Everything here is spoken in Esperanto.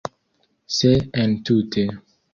Se entute.